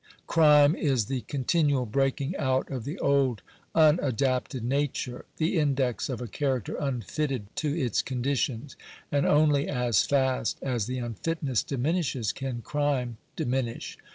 Crime is the continual breaking out of the old unadapted nature — the index of a character unfitted to its conditions — and only as fast as the unfitness diminishes can crime diminish.